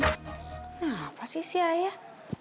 kenapa sih si ayah